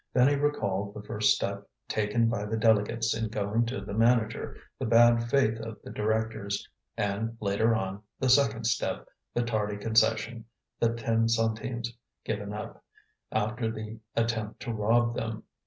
Then he recalled the first step taken by the delegates in going to the manager, the bad faith of the directors; and, later on, the second step, the tardy concession, the ten centimes given up, after the attempt to rob them.